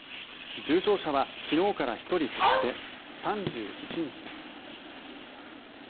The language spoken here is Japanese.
重症者は昨日から１人減って３１人です。